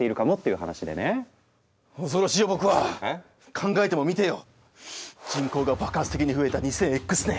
考えてもみてよ。